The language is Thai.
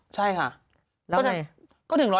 ใช่ค่ะ